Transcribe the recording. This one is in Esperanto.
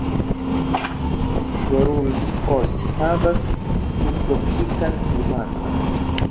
Guarulhos havas subtropikan klimaton.